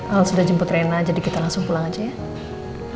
alat sudah jemput rena jadi kita langsung pulang aja ya